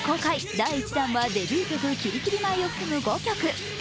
第１弾はデビュー曲「キリキリマイ」を含む５曲。